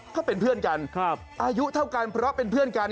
ก็เป็นเพื่อนกันอายุเท่ากันเพราะเป็นเพื่อนกัน